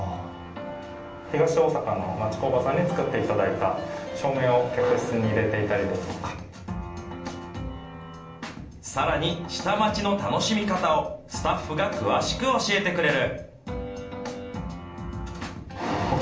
東大阪の町工場さんに作っていただいた照明を客室に入れていさらに、下町の楽しみ方を、スタッフが詳しく教えてくれる。